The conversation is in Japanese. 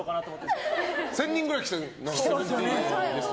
１０００人くらい来たって。